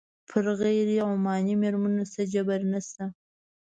پر غیر عماني مېرمنو څه جبر نه شته.